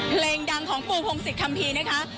เพลงดังของปูพงศิษยคัมภีร์นะคะ